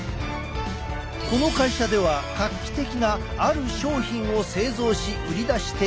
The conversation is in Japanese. この会社では画期的なある商品を製造し売り出している。